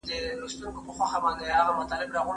شپاړس عدد دئ.